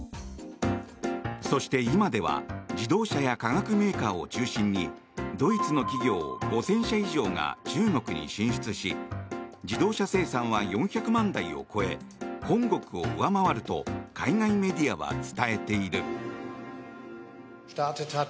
そして今では自動車や化学メーカーを中心にドイツの企業５０００社以上が中国に進出し自動車生産は４００万台を超え本国を上回ると海外メディアは伝えている。